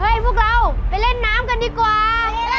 ให้พวกเราไปเล่นน้ำกันดีกว่า